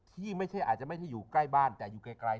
ที่อาจจะไม่อยู่ใกล้บ้านแต่อยู่ไกล